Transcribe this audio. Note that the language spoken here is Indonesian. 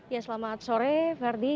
ya selamat sore verdi